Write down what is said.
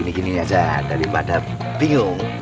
nah gini gini aja daripada bingung